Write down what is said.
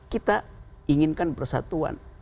kita inginkan persatuan